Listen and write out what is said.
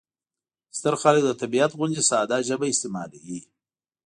ستر خلک د طبیعت غوندې ساده ژبه استعمالوي.